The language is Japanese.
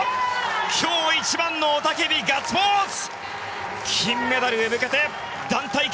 今日一番の雄たけびガッツポーズ！